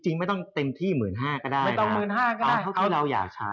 จริงไม่ต้องเต็มที่๑๕๐๐๐ก็ได้เอาที่เราอยากใช้